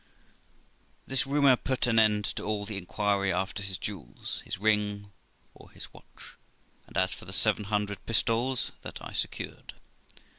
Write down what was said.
This rumour put an end to all inquiry after his jewels, his ring, or his watch ; and as for the seven hundred pistoles, that I secured.